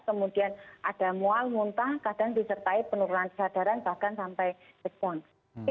kemudian ada mual muntah kadang disertai penurunan kesadaran bahkan sampai backbone